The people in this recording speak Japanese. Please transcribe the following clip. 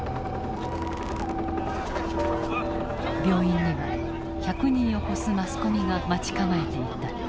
病院には１００人を超すマスコミが待ち構えていた。